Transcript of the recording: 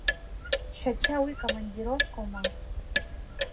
Шәача уи командировкоума!